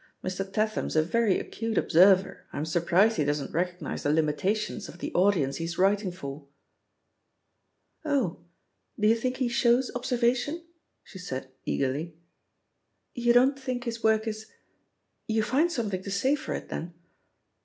Mr. Tat ham's a very acute observer, I'm surprised he doesn't recognise the limitations of the audience he's writing for." "Oh, you do think he shows observation?" she said eagerly. "You don't think his work is — you find something to say for it, then?"